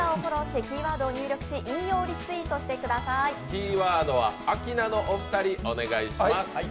キーワードはアキナのお二人、お願いします。